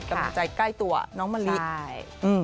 กำลังใจใกล้ตัวน้องมะลิใช่